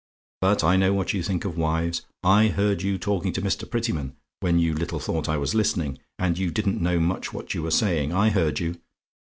But I know what you think of wives. I heard you talking to Mr. Prettyman, when you little thought I was listening, and you didn't know much what you were saying I heard you.